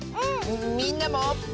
みんなも。